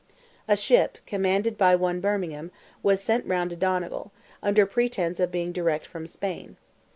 A ship, commanded by one Bermingham, was sent round to Donegal, under pretence of being direct from Spain.